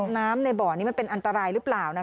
น้ำในบ่อนี้มันเป็นอันตรายหรือเปล่า